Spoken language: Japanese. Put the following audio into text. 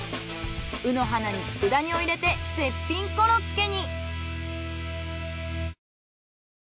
卯の花に佃煮を入れて絶品コロッケに。